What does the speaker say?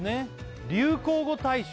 「流行語大賞」